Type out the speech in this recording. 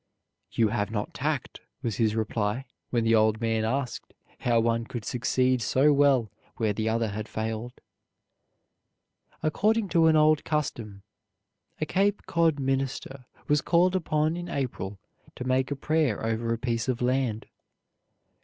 "You have not tact," was his reply, when the old man asked how one could succeed so well where the other had failed. According to an old custom a Cape Cod minister was called upon in April to make a prayer over a piece of land.